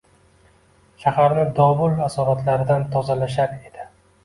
Shaharni dovul asoratlaridan tozalashar edi.